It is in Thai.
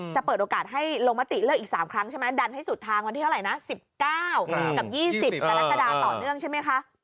จะเปิดโอกาสให้ลงมติเลือกอีก๓ครั้งใช่ไหมดันให้สุดทางวันที่เท่าไหร่นะ๑๙กับ๒๐กรกฎาต่อเนื่องใช่ไหมคะ